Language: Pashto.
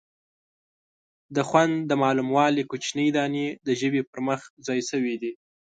د خوند د معلومولو کوچنۍ دانې د ژبې پر مخ ځای شوي دي.